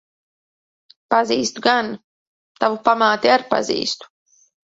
Pazīstu gan. Tavu pamāti ar pazīstu.